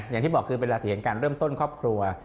อย่างที่บอกคือเป็นราศีแห่งการเริ่มต้นครอบครัว